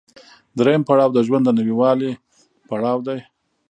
درېیم پړاو د ژوند د نويوالي پړاو دی